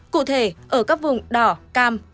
cụ thể ở các vùng đỏ cam